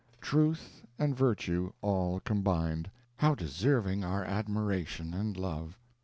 Truth and virtue all combined! How deserving our admiration and love!